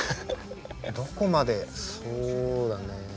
どこまでそうだね。